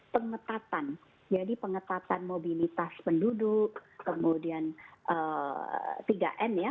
pengetatan jadi pengetatan mobilitas penduduk kemudian tiga n ya menjalankan prokes menjauhi kerumunan dan lain sebagainya